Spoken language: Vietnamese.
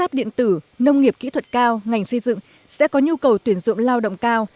pháp điện tử nông nghiệp kỹ thuật cao ngành xây dựng sẽ có nhu cầu tuyển dụng lao động cao